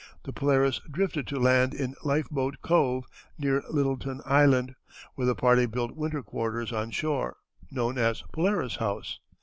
The Polaris drifted to land in Lifeboat Cove, near Littleton Island, where the party built winter quarters on shore, known as Polaris House.